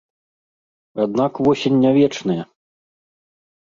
Аднак восень не вечная.